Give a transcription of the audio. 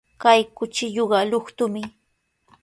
Kay kuchilluqa luqtumi.